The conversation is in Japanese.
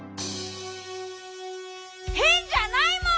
へんじゃないもん！